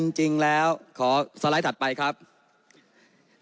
นอนก็ไม่มี